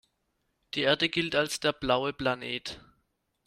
Die Erde gilt als der „blaue Planet“.